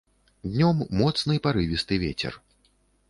Днём моцны парывісты вецер.